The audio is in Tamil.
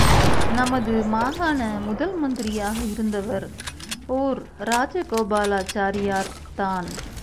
நமது மாகாண முதல் மந்திரியாக இருந்தவர், ஓர் இராஜ கோபாலாச்சாரியார் தான்!